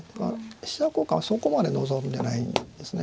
飛車交換はそこまで望んでないんですね